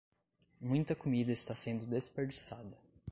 Muita comida está sendo desperdiçada.